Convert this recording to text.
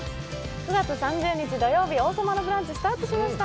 ９月３０日、土曜日、「王様のブランチ」スタートしました。